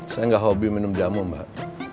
saya nggak hobi minum jamu mbak